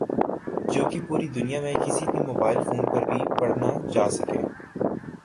جو کہ پوری دنیا میں کِسی بھی موبائل فون پر بھی پڑھنا جاسکیں